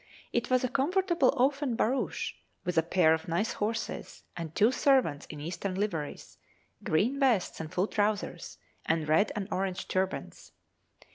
It was a comfortable open barouche, with a pair of nice horses, and two servants in Eastern liveries, green vests and full trousers, and red and orange turbans.